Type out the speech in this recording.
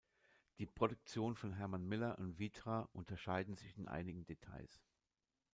Die Produktionen von Herman Miller und Vitra unterscheiden sich in einigen Details.